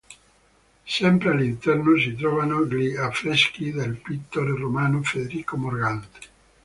Sempre all'interno si trovano gli affreschi del pittore romano Federico Morgante.